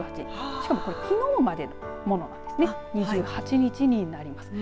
しかもきのうまでのものなんですね、２８日になります。